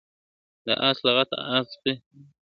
د آس لغته آس زغمي !.